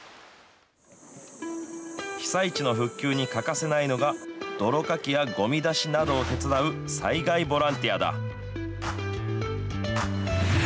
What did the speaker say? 被災地の復旧に欠かせないのが、泥かきやごみ出しなどを手伝う災害ボランティアだ。